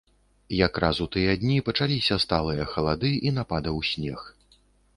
Якраз у тыя дні пачаліся сталыя халады і нападаў снег.